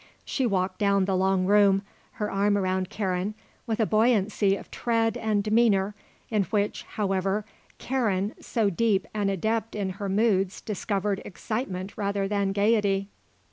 She walked down the long room, her arm around Karen, with a buoyancy of tread and demeanour in which, however, Karen, so deep an adept in her moods discovered excitement rather than gaiety.